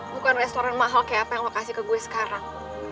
bukan restoran mahal kayak apa yang lokasi ke gue sekarang